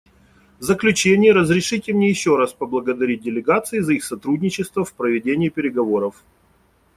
В заключение разрешите мне еще раз поблагодарить делегации за их сотрудничество в проведении переговоров.